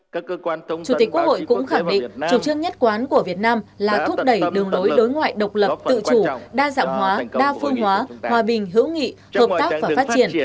chủ tịch quốc hội cũng khẳng định chủ trương nhất quán của việt nam là thúc đẩy đường đối đối ngoại độc lập tự chủ đa dạng hóa đa phương hóa hòa bình hữu nghị hợp tác và phát triển